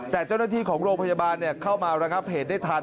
แต่เจ้าหน้าที่ของโรงพยาบาลเข้ามาระงับเหตุได้ทัน